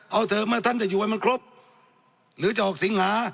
เอาเถอะเมื่อท่านจะอยู่ให้มันครบหรือจะออกสิงหา